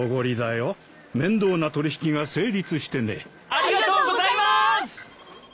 ありがとうございます！